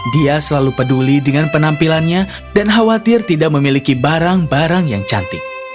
dia selalu peduli dengan penampilannya dan khawatir tidak memiliki barang barang yang cantik